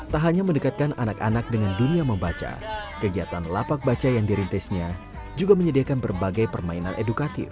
tak hanya mendekatkan anak anak dengan dunia membaca kegiatan lapak baca yang dirintisnya juga menyediakan berbagai permainan edukatif